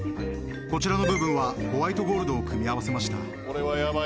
こちらの部分はホワイトゴールドを組み合わせました